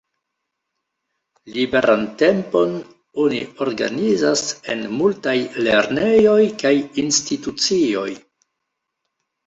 Liberan tempon oni organizas en multaj lernejoj kaj institucioj.